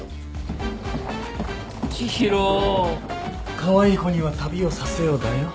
カワイイ子には旅をさせよだよ